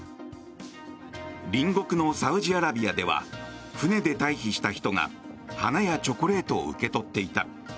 隣国のサウジアラビアでは船で退避した人が花やチョコレートを受け取っていた。